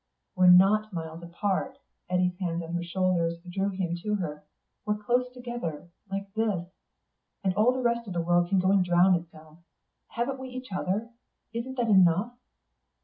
"We're not miles apart." Eddy's hands on her shoulders drew her to him. "We're close together like this. And all the rest of the world can go and drown itself. Haven't we each other, and isn't it enough?"